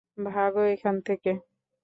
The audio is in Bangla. ভাগো এখান থেকে।